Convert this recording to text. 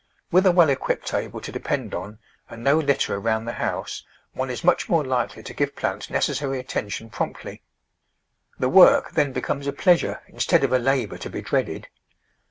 With a well equipped table to depend on and no litter around the house, one is much more likely to give plants necessary attention promptly. The work then becomes a pleasure instead of a labour to be dreaded.